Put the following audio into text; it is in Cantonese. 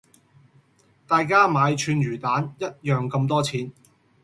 大家買串魚蛋一樣咁多錢